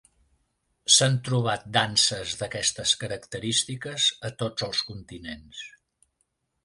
S'han trobat danses d'aquestes característiques a tots els continents.